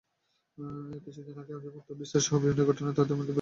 কিছুদিন আগে আধিপত্য বিস্তারসহ বিভিন্ন ঘটনায় তঁাদের মধ্যে বিরোধ সৃষ্টি হয়।